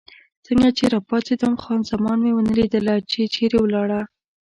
څنګه چې راپاڅېدم، خان زمان مې ونه لیدله، چې چېرې ولاړه.